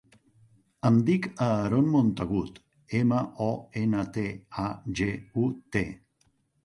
Em dic Aaron Montagut: ema, o, ena, te, a, ge, u, te.